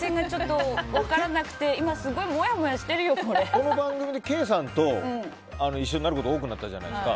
この番組でケイさんと一緒になること多くなったじゃないですか。